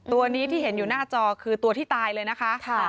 ตัวนี้ที่เห็นอยู่หน้าจอคือตัวที่ตายเลยนะคะ